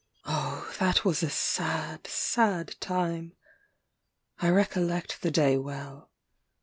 Oh, that was a sad sad time! I recollect the day well.